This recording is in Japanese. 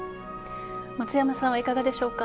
松山さんはいかがでしょうか。